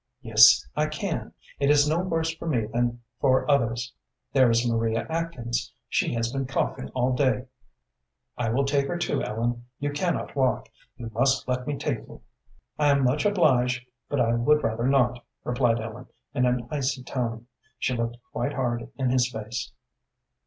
"Yes, I can; it is no worse for me than for others. There is Maria Atkins, she has been coughing all day." "I will take her too. Ellen, you cannot walk. You must let me take you." "I am much obliged, but I would rather not," replied Ellen, in an icy tone. She looked quite hard in his face.